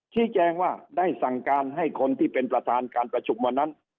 ชี้แจงว่าได้สั่งการให้คนที่เป็นประธานการประชุมวันนั้น